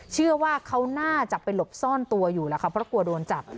เชื่อว่าเขาน่าจะไปหลบซ่อนตัวอยู่แล้วค่ะเพราะกลัวโดนจับ